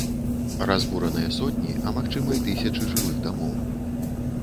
Разбураныя сотні, а магчыма і тысячы жылых дамоў.